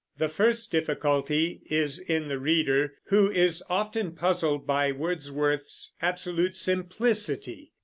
The first difficulty is in the reader, who is often puzzled by Wordsworth's absolute simplicity.